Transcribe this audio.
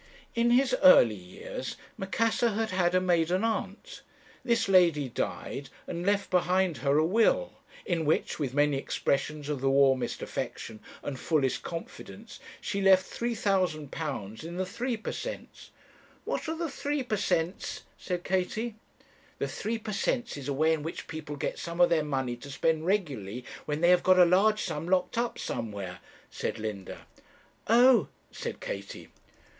"In his early years Macassar had had a maiden aunt. This lady died and left behind her a will, in which, with many expressions of the warmest affection and fullest confidence, she left £3,000 in the three per cents " 'What are the three per cents?' said Katie. 'The three per cents is a way in which people get some of their money to spend regularly, when they have got a large sum locked up somewhere,' said Linda. 'Oh!' said Katie.